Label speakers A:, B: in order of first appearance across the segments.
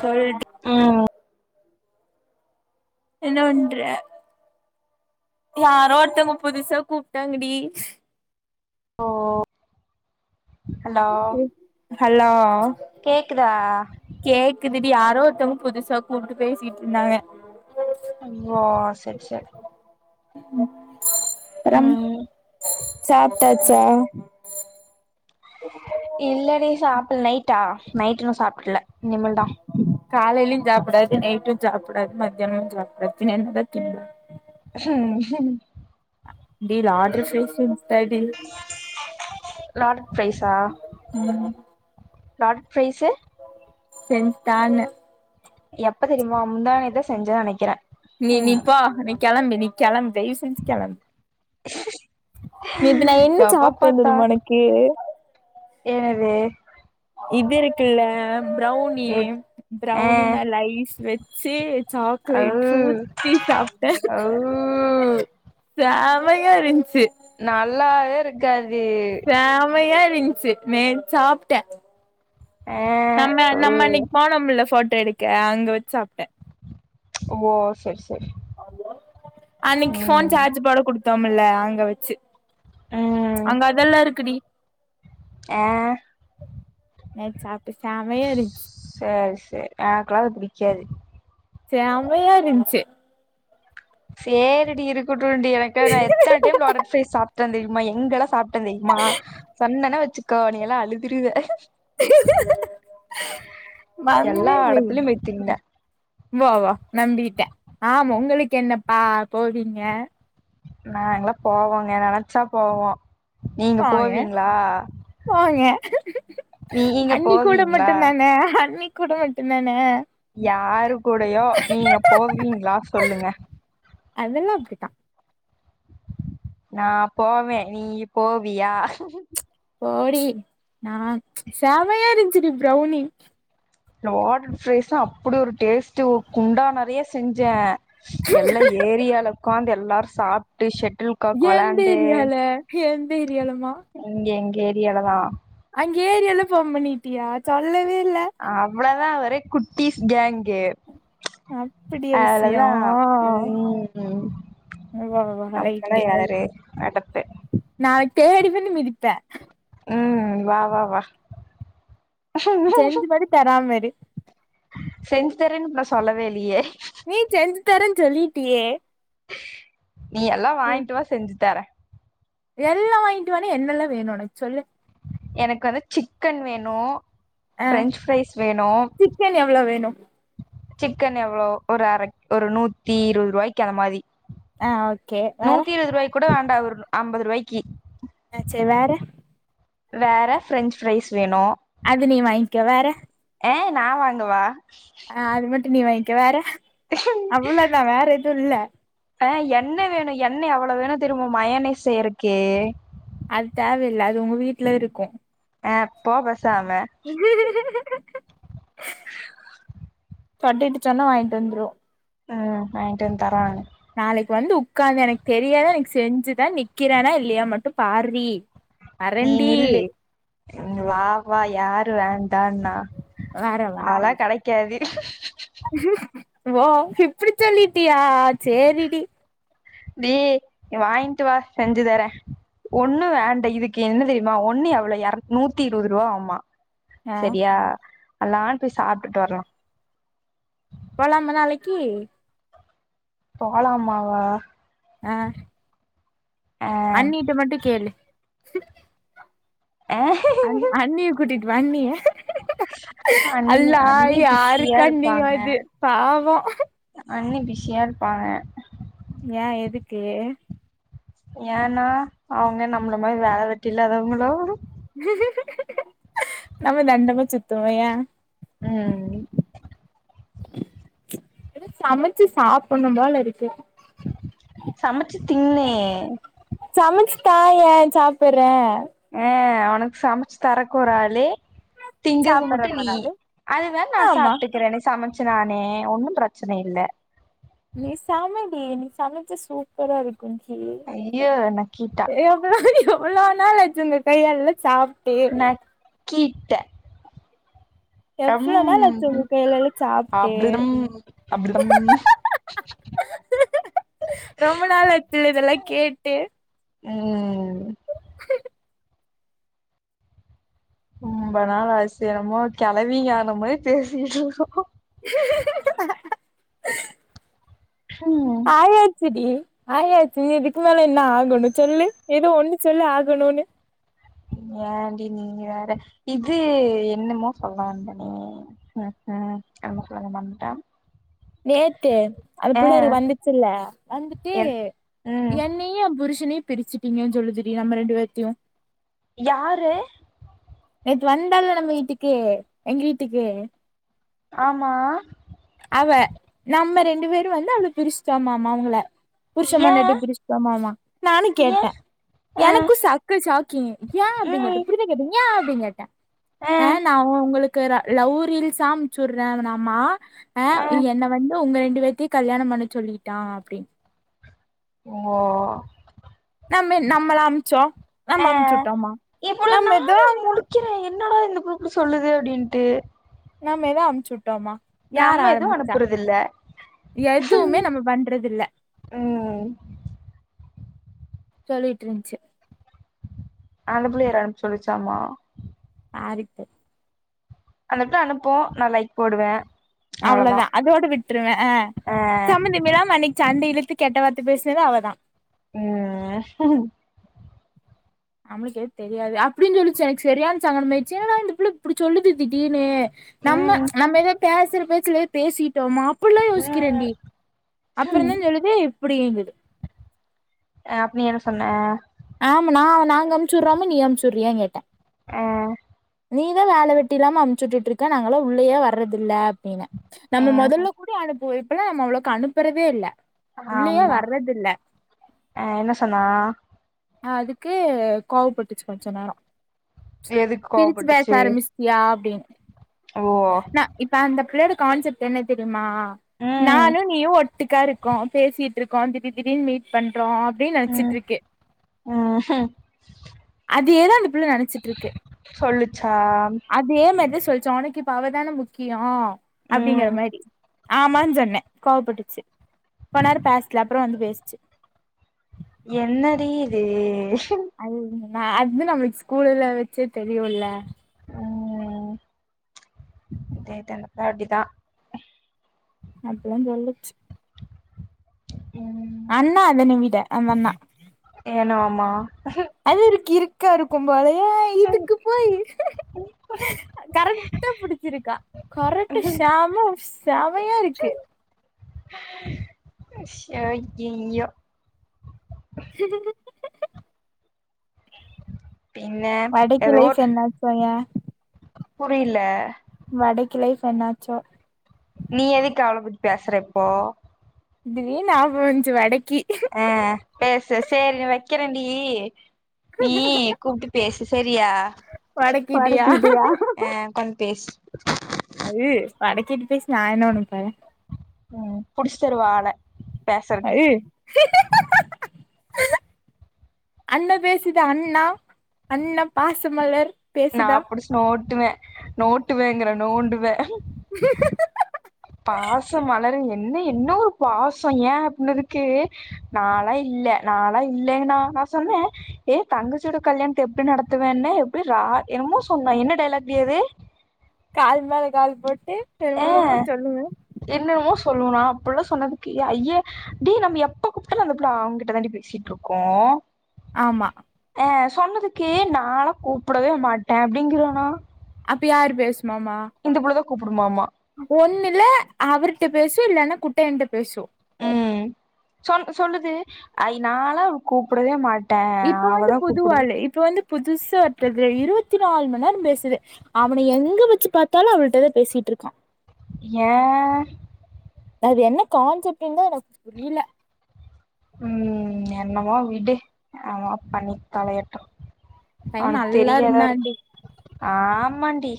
A: சொல்ட்டு
B: ம்
A: என்ன பண்ற யாரோ ஒருத்தங்க புதுசா கூப்ட்டாங்கடி
B: ஓ ஹலோ
A: ஹலோ
B: கேக்குதா
A: கேக்குதுடி யாரோ ஒருத்தங்க புதுசா கூப்ட்டு பேசிட்டு இருந்தாங்க
B: ஐய்யோ செட் சேர்
A: ம் அப்பறம்
B: ம்
A: சாப்ட்டாச்சா
B: இல்லடி சாப்பில் நைட்டா நைட் இன்னு சாப்பிட்ல இனிமேல்தா
A: காலையிலும் ஜாப்பிடாது நைட்டும் ஜாப்படாது மத்தியமும் ஜாப்படாது பின்ன என்னதா தின்னும்
B: உஹம் உஹம்
A: டீல் ஆட்ரு சேசி உன்தாடி
B: லார்ட் பிரைஸ்ஸா லாட் பிரைஸ்சு
A: செந்தான
B: எப்ப தெரியுமா முந்தானேத்துதா செஞ்சோன்னு நினைக்கிறே
A: நீ நீ போ நீ கிளம்பு நீ கிளம்பு தயவு செஞ்சு கிளம்பு நா என்ன
B: எப்ப
A: சாப்ட்டே
B: பாத்த
A: தெரியுமா உனக்கு
B: என்னது
A: இது இருக்குல்ல ப்ரௌன் னி
B: எ ஆ
A: ப்ரௌனி மேல ஐஸ் வச்சி
B: அவ்
A: சாக்லேட் ஊத்தி சாப்ட்டே
B: அவ்
A: செமையா இருன்ச்சி
B: நல்லாவே இருக்காதுரீ
A: செமையா இருன்ச்சு நேத்து சாப்ட்டே
B: ஹே
A: நம்ம நம்ம அன்னைக்கு போனமில்ல போட்டோ எடுக்க அங்க வச்சு சாப்ட்டே
B: ஓ சேர் சேர்
A: அன்னைக் ஃபோன் சார்ஜ் போட குடுத்தோமில்ல அங்க வச்சு
B: ம்
A: அங்க அதெல்லா இருக்குடி
B: ஹே
A: நேத்து சாப்ட்டே செமையா இருன்ச்சு
B: சேர் சேர் எனக்கல்லா அது பிடிக்காது
A: செமையா இருன்ச்சு
B: சேரிடி இருக்குட்டும்டி எனக்கு தே நா எத்தனை டைம் நொறுக்கு தீனி சாப்ட்டே தெரியுமா எங்கல்லா சாப் ட்ட தெயுமா சொன்னன்னா வச்சுக்கோ நீ எல்லா அழுதுருவ எல்லா இடத்துலயு போயி திம்பே
A: உமா வா நம்பிட்டே ஆமா உங்களுக்கு என்னப்பா போவீங்க
B: நாங்கல்லா போவோங்க நினைச்சா போவோ நீங்க
A: போங்க
B: போவீங்ளா
A: போங்க அண்ணி கூட
B: போவீங்களா
A: மட்டுதானே அண்ணி கூட மட்டுதானே
B: யாரு கூடயோ நீங்க போவீங்ளா சொல்லுங்க
A: அதெல்லா அப்டிதா
B: நா போவே நீ போவியா?
A: போடி நா செமையா இருந்துச்சு டி பிரௌனி
B: வாட்டர் ஃப்ரைஸ் தா அப்படி ஒரு டேஸ்ட்டு ஒரு குண்டா நறைய செஞ்சே எல்லா ஏரியால உக்கார்ந்து எல்லாரு சாப்பிட்டு ஷட்டல்காக்
A: எந்த
B: வெளாண்டு
A: ஏரியால எந்த ஏரியாலமா
B: இங்க எங்க ஏரியால தா
A: அங்க ஏரியால்லா பார்ம் பண்ணிட்டியா சொல்லவே இல்ல
B: அவ்வளதா ஒரே குட்டிஸ் கேங்கு
A: அப்படியா விஷயோ
B: அவ்வளதா ம்
A: வா வா
B: நம்மல்லா
A: ரைட்டு
B: யாரு அடப்பு
A: நாளைக்கு தேடிவந்து மிதிப்பே
B: ம் வா வா வா
A: செஞ்சு மட்டு தராம இரு
B: செஞ்சு தரேன்னு நா சொல்லவே இல்லயே
A: நீ செஞ்சு தரேன்னு சொல்லிட்டியே
B: நீ எல்லா வாங்கிட்டு வா செஞ்சு தரே
A: எல்லா வாங்கிட்டு வானா என்னெல்லா வேணு ஒனக்கு சொல்லு
B: எனக்கு வந்து சிக்கன் வேணு
A: ஆ
B: பிரஞ்சு ஃப்ரைஸ் வேணு
A: சிக்கன் எவ்ளோ வேணு
B: சிக்கன் எவ்வளோ ஒரு அர ஒரு நூத்தி இருபது ருவாய்க்கு அந்த மாதி
A: ஆ ஓகே வேற
B: நூத்தி இருவது ரூவாய்க் கூட வேண்டா ஒரு அம்பது ரூவாய்க்கு
A: ஆ சரி வேற
B: வேறு ஃப்ரெஞ்சு ஃப்ரைஸ் வேணு
A: அது நீ வாங்கிக்க வேற
B: ஏ நா வாங்குவா
A: ஆ அது மட்டும் நீ வாங்கிக்க வேற அவ்வளோதா வேற எதுவு இல்ல
B: ஆ எண்ண வேணு எண்ண எவ்வளோ வேணு தெரியுமா மயனேஸ் செய்யறக்கு
A: அது தேவையில்ல அது உங்க வீட்டுல இருக்கும்
B: ஆ போ பசாம
A: சொட்டேட்ட சொன்னா வாங்கிட்டு வந்துரும்
B: ஆ வாங்கிட்டு வந்து தரா
A: நாளைக்கு வந்து உட்காந்து எனக்கு தெரியாத எனக்கு செஞ்சுதா நிக்கிறேனா இல்லையா மட்டு பார்றி
B: நீ நில்லு வா வா யாரு வேண்டாண்ணா
A: வேற
B: அதல்லா கெடைக்காது
A: ஓ இப்படி சொல்லிட்டியா சேரிடி
B: டீ நீ வாங்கிட்டு வா செஞ்சு தரே ஒண்ணு வேண்ட இதுக்கு என்ன தெரியுமா ஒன்னு எவ்வள எற நூத்தி இருவத்ருவா ஆகுமா
A: ஆ
B: சரியா எல்லாரும் போய் சாப்பிட்டுட்டு வரலாம்
A: போலாமா நாளைக்கி
B: போலாமாவா
A: ஆ
B: ஆ
A: அண்ணிட்ட மட்டு கேலு
B: ஆஹஹ
A: அண் அண்ணிய குட்டிட்டு வா அண்ணிய
B: அண்ணி
A: அல்லா
B: அண்ணி பிஸியா
A: யாருக்கா நீயு
B: இருப்பாங்க
A: அது பாவோ
B: அண்ணி பிஷியா இருப்பாங்க
A: ஏ எதுக்கு
B: ஏன்னா அவங்க நம்மள மாரி வேல வெட்டி இல்லாதவங்களோ
A: நம்ம தண்டமா சுத்துவோ யே
B: ம் ம்
A: எத சமச்சு சாப்புட்ணு போல இருக்கு
B: சமச்சு தின்னு
A: சமச்சு தாயே சாப்புறே
B: ஆ ஒனக்கு சமச்சு தரக்கு ஒரு ஆளு திங்குறது
A: சாப்புட்ற
B: மட்டு நீ
A: பரவாலே
B: அதுதா நா
A: ஆமா
B: சாப்ட்டுக்குறே சமச்சுனானே ஒன்னு பிரச்சன இல்ல
A: நீ சமடி நீ சமச்ச சூப்பரா இருக்கு டி
B: ஐயோ நக்கீட்டா
A: ஏ எவ்ளோ நாளாச்சே உங்க கையாலெல்லா சாப்
B: நக்கிட்ட அம்
A: எவ்ளோ நாள் ஆச்சு உங்க கையாலலா சாப்ட்டு
B: அப்ளம் அப்ளம்
A: ரொம்ப நாள் ஆச்சுல்ல இதெல்லா கேட்டு
B: ம் ரொம்ப நாள் ஆச்சு என்னமோ கெழவிங்க ஆனா மாரி பேசிட்ருக்கோ
A: க்கு க்கு க்கு அஹ
B: ஹம்
A: ஆயாச்சு டி ஆயாச்சு இதுக்கு மேல என்ன ஆகணு சொல்லு ஏதோ ஒண்ணு சொல்லு ஆகணுனு
B: ஏன்டி நீ வேற இது என்னமோ சொல்ல வந்தனே ஹ ஹ என்னமோ சொல்ல மறந்துட்ட
A: நேத்து அது பிள்ளரு வந்துச்சுல்ல வந்துட்டு
B: என் ம்
A: என்னையு எ புருஷனையு பிரிச்சிட்டீங்க சொல்லுது டி நம்ம ரெண்டு பேத்தையு
B: யாரு
A: நேத்து வந்தால நம்ம வீட்டுக்கு எங்க வீட்டுக்கு
B: ஆமா
A: அவ நம்ம ரெண்டு பேரு வந்து அவ்ள பிரிச்ட்டோ மாமா அவங்கள புருஷ
B: ஏ
A: பொண்டாட்டிய பிரிச்சிட்டோ மாமா நானு
B: ஏ
A: கேட்டே
B: ஆ
A: எனக்கு சக்க சாக்கிங் ஏ அப்டினு கேட்ட
B: ம்
A: புரி ல கேட்ட ஏ அப்டின் கேட்டே ஆ நா ஒங்களுக் குர லவ் ரில்ஸ்ஸா அம்சு உடுற நாமா
B: ஆ
A: என்ன வந்து உங்க ரெண்டு பேத்தயு கல்யாண பண்ணு சொல்லிட்டா அப்டின்
B: ஓ
A: நம்ம நம்மளா அனுப்ச்சோ
B: ஆ
A: நம்ம அனுப்ச்சுட்டோம்மா நம்ம எதோ
B: க்கிறே என்னடா இந்த குரூப்ல சொல்லுது அப்டின்ட்டு
A: நம்ம எதா அனுப்ச்சுட்டோம்மா யார்
B: நம்ம எதுவு
A: ஆரம்பிச்சா
B: அனுப்புறது இல்ல
A: எதுமே நம்ம பண்றதில்ல
B: ம்
A: சொல்லிட்ருந்ச்சு
B: அந்த புள்ள இரான் சொல்ச்சாமா
A: ஆரிப்பு
B: அந்தட்ட அனுப்பு நா லைக் போடுவ
A: அவ்ளோ தா அதோட விட்டுருவ அ
B: ஆ
A: சம்பந்தமில்லாம அன்னிக்கு சண்ட இழுத்து கெட்ட வார்த்த பேசுனது அவ தா
B: ம்
A: நம்மளுக்கு ஏது தெரியாது அப்டின் சொல்லுச்சு எனக்கு சரியான சங்கடமாய்ச்சு என்னடா இந்த பிள்ள இப்டி சொல்லுது திடீனு நம்ம
B: ம்
A: நம்ம ஏதோ பசுற பேச்சுலே பேசிட்டோமா அப்புல்லா யோசிக்றேன்டி
B: ம்
A: அப்புறந்தா சொல்லுது இப்டிங்குது
B: அ அப் நீ என்ன சொன்ன
A: ஆமா நா நாங்க அம்ப்ச்சுறமோ நீ அனுப்ச்சுறியான்னு கேட்ட
B: அ
A: நீதா வேல வெட்டி இல்லாம அம்ச்சுட்டுட்டு இருக்க நாங்களா உள்ளயே வர்றதுல்ல செய்வ நம்ம
B: என்ன சொ
A: மொதல்ல கூட அனுப்புவோ இப்பல்லா நம்ம அவளவுக்கு அனுப்புறவே இல்ல உள்ளயே
B: ஆமா
A: வர்றதில்ல
B: அ என்ன சொன்னா
A: அதுக்கு கோவப்பட்டுச்சு கொஞ்ச நரோ
B: எதுக்கு
A: பிரிச்சு பேச
B: கோவப்பட்டுச்சு
A: ஆரம்பிச் யா அப்டின்னு
B: ஓ
A: நா இப்ப அந்த பிள்ளையோட கான்செப்ட் என்ன தெரிமா
B: ம்
A: நானு நீயு ஒட் ட்டுக்கா இருக்கோ பேசிட்டு இருக்கோ திடீ தீடினு மீ பண்றோ அப்டின்னு நினச்சிட்டு
B: ம்
A: இருக்கு
B: ம்
A: அதேதா அந்த பிள்ள நனச் ச்சுட்ருக்கு
B: சொல்லுச்சா
A: அதே மாரி தா சொல்லுச்சா உனக்கு இப்ப அவ தான முக்கியோ அப்டிங்கற
B: ம்
A: மாரி ஆமான் சொன்ன கோவப்பட்டுச்சு போனாரு பேசல அப்றோ வந்து பேசுச்சு
B: என்னடி இது
A: அது நா அது நம்மளுக் ஸ்கூலுல்ல வச்சே தெரியுல்ல
B: ம் இதே தா நிப்பாட்டி தா
A: அப்டி தா சொல்லுச்சு
B: ம்
A: அண்ணா அதனி விட அந்தண்ணா
B: ஏனோ ஆமா
A: அது ஒரு கிறுக்கா இருக்கு போலய இதுக்கு போய் கரெட்டா புடிச்சிருக்கா கரெட்டு செம செமையா இருக்கு
B: சோ ய்யய்யோ எங்க
A: வடக்கி
B: ஏதோ
A: லைஃப்
B: ஓர்
A: என்னாச்சோ ஏ
B: புரில
A: வடக்கி லைஃப் என்னாச்சோ
B: நீ எதுக்கு அவள பத்தி பேசுற இப்போ
A: தீடீர்னு நியாபகோ வந்துச்சு வடக்கி
B: ஆ பேசு செரி நா வைக்கிறேண்டி நீ கூப்ட்டு பேசு செரியா வடக்கிட்டியா அ கொஞ்சோ பேசு
A: ஐய்யய்ய வட கிட்ட பேசி நா என்ன பண்ணப்போற
B: ம் புடிச்சு தருவா ஆள பேசறக்கு
A: ஐய்யய்யோ அண்ண பேசு தா அண்ணா அண்ணா பாசமலர்
B: நா
A: பேசுதா
B: புடிச்சி நோட்டுவே நோட்டுவேங்கிற நோண்டுவே
A: [inaudible]
B: பாசம் மலரு என்ன என்ன ஒரு பாசோ ஏன் அப்பின்னதுக்கு நாளா இல்ல நாளா இல்லைங்கன்னா நா சொன்னே ஏ தங்கச்யோட கல்யாணத்த எப்டி நடத்துவேன்ன அப்டி ரா என்னமோ சொன்னா என்ன டைலாக்லாக்டி‌ அது
A: கால் மேல கால் போட்டு
B: ஏ
A: திரும்பலமு சொல்லுங்க
B: என்னன்னமோ சொல்வோ நா அப்பல்லா சொன்னதுக்கு ஐயே டீ நம்ம எப்ப குப்பிட்டாலு அந்த புள்ஹ அவ்ங்கிட்ட தாண்டி பேசிட்டு இருக்கோ
A: ஆமா
B: ஆ சொன்னதுக்கே நான கூப்படவே மாட்டே அப்டிங்கிறானா
A: அப்ப யாரு பேசுமாமா
B: இந்த புள்ளதா கூப்புடுமாமா
A: ஒண்ணுல்ல அவர்கிட்ட பேசு இல்லேனா குட்டையன்ட்ட பேசு
B: ம் சொன் சொல்லுது ஐனாலா அவ கூப்படவே மாட்
A: இப்ப வந்து புதுவாலு இப்ப வந்து புதுசு வதுல இருஸத்தி நாலு மணி நேரோ பேசுது அவன எங்க வச்சு பாத்தாலு அவளிட்டதா பேசிட்டுருக்கா
B: ஏ
A: அது என்ன கான்செப்ட்ன்னு தா எனக்கு புரில
B: ம் என்னமோ விடு என்னமோ பண்ணி தொலையட்டு
A: பைய
B: அவனுக்கு
A: நல்லா
B: தெரியா தா இருக்கு
A: இருந்தான்டி
B: ஆமாண்டி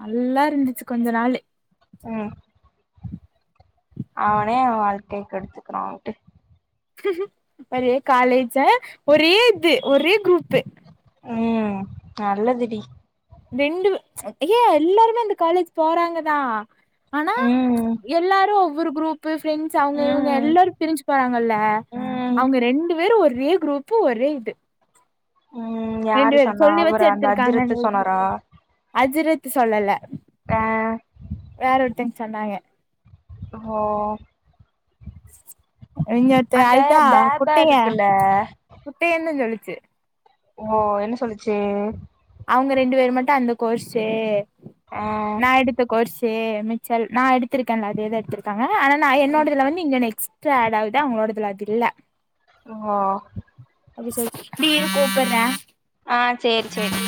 A: நல்லா இருந்துச்சு கொஞ்ச நாளு
B: ம் அவனே அவ வாழ்க்கைய கெடுத்துக்குறான்டு
A: ஒரே காலேஜ்ஜ ஒரே இது ஒரே குரூப்பு
B: ம் நல்லது‌ டி
A: ரெண்டு ஏ எல்லாருமே அந்த காலேஜ் போறாங்கதா ஆனா
B: ம்
A: எல்லாரு ஒவ்வொரு குரூப்பு ஃப்ரெண்ட்ஸ் அவங்க இவங்க
B: ம்
A: எல்லாரு பிரிஞ்சி போறாங்கல்ல
B: ம்
A: அவங்க ரெண்டு பேரு ஒரே குரூப் ஒரே இது
B: ம்
A: ரெண்டு
B: யாரு
A: வேரு
B: சொன்னா
A: சொல்லி வெச்சு
B: அவரா அந்த அஜ்ரத்து
A: எடுத்திருக்காங்கன்னு [unintelligible]
B: சொன்னாரா
A: அஜிரத்து சொல்லல
B: ஆ
A: வேற ஒருத்தங்க சொன்னாங்க
B: ஓ
A: இங்கத்து
B: அந்த
A: அதுதா
B: பேபா
A: குட்டைய
B: இருக்குல்ல
A: குட்டையன்னு சொல்லிச்சு
B: ஓ என்ன சொல்லுச்சி
A: அவங்க ரெண்டு பேர் மட்டு அந்த கோர்ஸு
B: ஆ
A: நா எடுத் த கோர்சு மிச்சல் நா எடுத்திருக்கேன்ல அதேதா எடுத்திருக்காங்க ஆனா நா என்னோடதுல வந்து இங்க நெக்ஸ்ட் டு ஆட்ஆவுது அவங்களோடதுல அது இல்ல
B: ஓ
A: அப்டி சொல் டி இரு கூப்பற்ற
B: ஆ சேரி சேரி